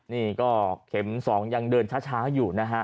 นี่ก็เข็ม๒ยังเดินช้าอยู่นะฮะ